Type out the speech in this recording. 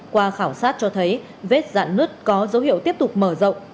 qua khảo sát cho thấy vết dạn nứt có dấu hiệu tiếp tục mở rộng